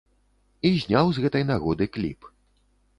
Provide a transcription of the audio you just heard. І зняў з гэтай нагоды кліп.